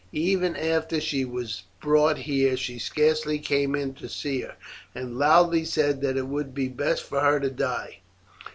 Even after she was brought here she scarce came in to see her, and loudly said that it would be best for her to die.